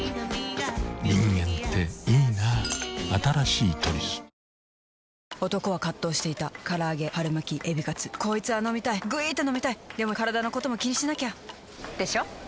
新しい「トリス」男は葛藤していた唐揚げ春巻きエビカツこいつぁ飲みたいぐいーーっと飲みたいでもカラダのことも気にしなきゃ！でしょ？